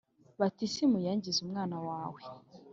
Batisimu yangize umwana wawe